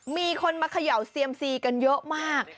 มีคนมาเขย่าเซียมซีกันเยอะมาก